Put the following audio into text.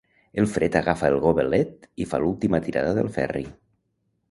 El Fred agafa el gobelet i fa l'última tirada del Ferri.